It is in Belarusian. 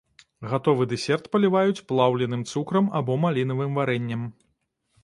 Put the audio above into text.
Гатовы дэсерт паліваюць плаўленым цукрам або малінавым варэннем.